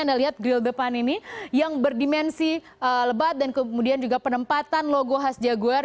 anda lihat grill depan ini yang berdimensi lebat dan kemudian juga penempatan logo khas jaguar